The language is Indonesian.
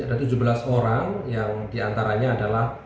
ada tujuh belas orang yang diantaranya adalah